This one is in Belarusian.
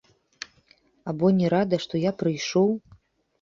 Або не рада, што я прыйшоў.